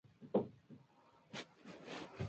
Cada sonata emplea una afinación distinta del violín.